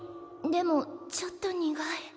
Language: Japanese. でもちょっと苦い。